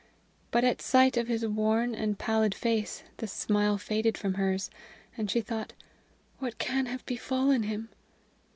But at sight of his worn and pallid face the smile faded from hers, and she thought, "What can have befallen him?"